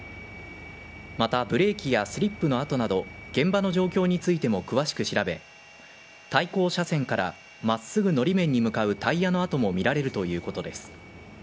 また、ブレーキやスリップの跡など現場の状況についても詳しく調べ対向車線からまっすぐのり面に向かうタイヤの跡も見られるということです。